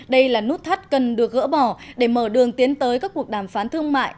đây là nút thắt cần được gỡ bỏ để mở đường tiến tới các cuộc đàm phán thương mại